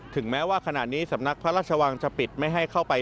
ถึงแม้ว่าขณะนี้สำนักพระราชวังจะปิดไม่ให้เข้าไป